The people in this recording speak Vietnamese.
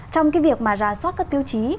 trong cái việc mà ra soát các tiêu chí